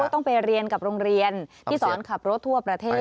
ต้องไปเรียนกับโรงเรียนที่สอนขับรถทั่วประเทศ